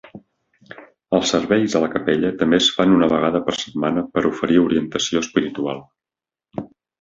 Els serveis a la capella també es fan una vegada per setmana per oferir orientació espiritual.